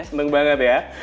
seneng banget ya